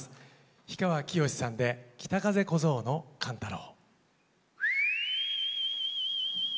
氷川きよしさんで「北風小僧の寒太郎」。